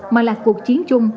mà là cuộc chiến chung